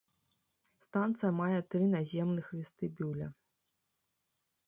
Станцыя мае тры наземных вестыбюля.